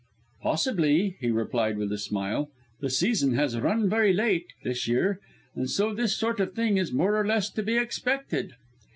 "Possibly," he replied with a smile. "The season has run very late, this year, and so this sort of thing is more or less to be expected."